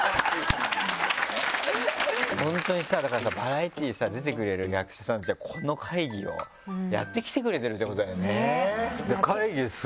本当にさだからバラエティー出てくれる役者さんってこの会議をやってきてくれてるってことだよね。